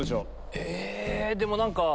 えでも何か。